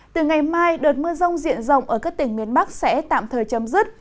từ ngày mai đợt mưa rông diện rộng ở các tỉnh miền bắc sẽ tạm thời chấm dứt